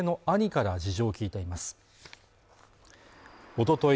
おととい